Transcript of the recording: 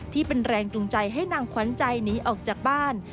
ที่เป็นแรงจูงใจให้นางขวัญใจหนีออกจากบ้าน